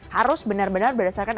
harus benar benar berdasarkan